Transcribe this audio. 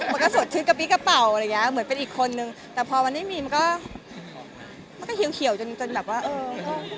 มันก็สดชื่นกะปิกระเป๋าอะไรอย่างเงี้ยเหมือนเป็นอีกคนนึงแต่พอมันไม่มีมันก็มันก็เขียวจนจนแบบว่าเออ